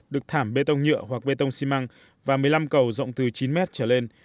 được thảm bê tông nhựa hoặc bê tông xi măng và một mươi năm cầu rộng từ chín mét trở lên